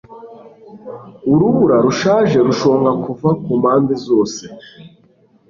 urubura rushaje rushonga kuva kumpande zose